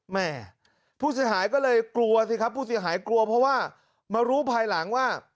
แม่ผู้เสียหายก็เลยกลัวสิครับผู้เสียหายกลัวเพราะว่ามารู้ภายหลังว่า